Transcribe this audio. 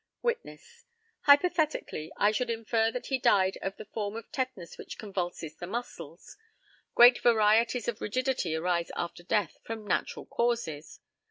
Witness: Hypothetically I should infer that he died of the form of tetanus which convulses the muscles. Great varieties of rigidity arise after death from natural causes.